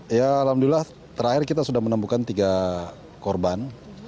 ya alhamdulillah terakhir kita sudah menemukan tiga korban